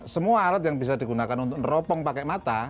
semua alat yang bisa digunakan untuk neropong pakai mata